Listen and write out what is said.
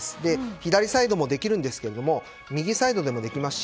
左サイドもできるんですが右サイドでもできますし。